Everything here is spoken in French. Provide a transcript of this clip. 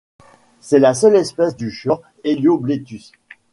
C'est la seule espèce du genre Heliobletus.